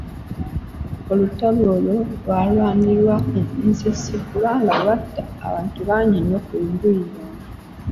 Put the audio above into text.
Olutalo olwo olwalwanirwa e Nsiisi, kubanga lwatta abantu bangi nnyo ku njuyi zombi.